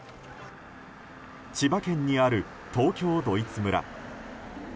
千葉県にある東京ドイツ村。